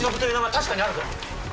確かにあるぞ！